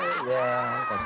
buah buahan yang lengkap